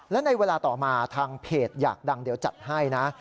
และในเวลาต่อมาทางเพจอยากดังเดี๋ยวจัดให้นะ